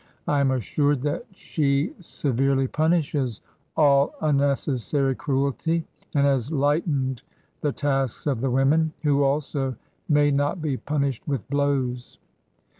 I am assured that she severely punishes all un necessary cruelty, and has lightened the tasks of the women, w^ho also may not be punished with blows.